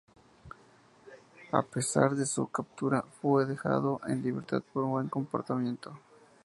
A pesar de su captura, fue dejado en libertad por buen comportamiento.